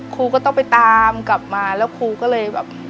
ครูก็ต้องไปตามกลับมาแล้วครูก็เลยแบบ